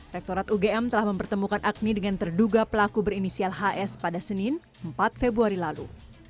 rektorat ugm telah mempertemukan agni dengan terduga pelaku berinisial hs pada senin empat februari lalu